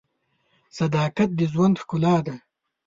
صداقت د ژوند ښکلا ده.